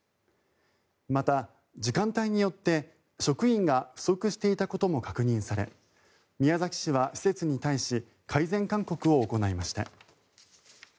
また、時間帯によって職員が不足していたことも確認され宮崎市は施設に対し改善勧告を行いました。